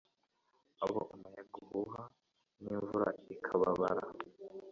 abo umuyaga uhuha n'imvura ikababara